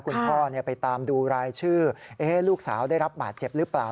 คุณพ่อไปตามดูรายชื่อลูกสาวได้รับบาดเจ็บหรือเปล่า